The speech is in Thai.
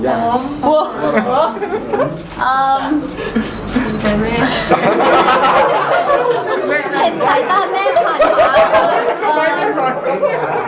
เห็นสายตาแม่ผ่านมา